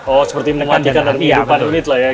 oh seperti mematikan armi empat unit lah ya